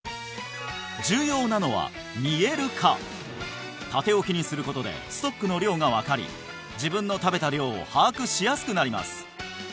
重要なのは見える化縦置きにすることでストックの量が分かり自分の食べた量を把握しやすくなります